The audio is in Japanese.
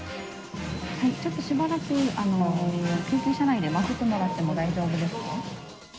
ちょっとしばらく救急車内で待っていてもらっても大丈夫です